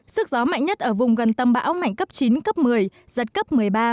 sức gió mạnh nhất ở vùng gần tâm bão mạnh cấp chín cấp một mươi giật cấp một mươi ba